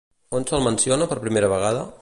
On se'l menciona per primera vegada?